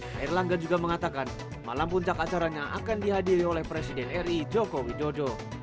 hairlangga juga mengatakan malam puncak acaranya akan dihadiri oleh presiden ri joko widodo